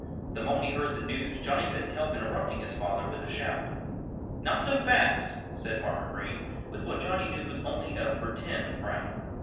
The moment he heard the news Johnnie couldn't help interrupting his father with a shout. "Not so fast!" said Farmer Green, with what Johnnie knew was only a "pretend" frown.